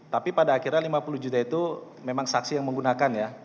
tapi pada akhirnya lima puluh juta itu memang saksi yang menggunakan ya